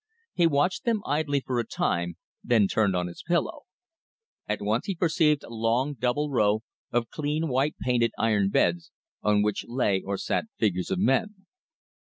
He watched them idly for a time; then turned on his pillow. At once he perceived a long, double row of clean white painted iron beds, on which lay or sat figures of men.